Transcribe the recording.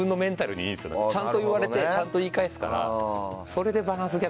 ちゃんと言われてちゃんと言い返すから。